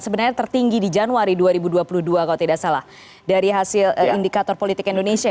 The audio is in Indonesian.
sebenarnya tertinggi di januari dua ribu dua puluh dua kalau tidak salah dari hasil indikator politik indonesia